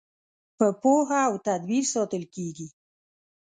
په پوهه او تدبیر ساتل کیږي.